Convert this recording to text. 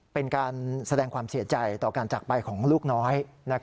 เป็นการแสดงความเสียใจต่อการจากไปของลูกน้อย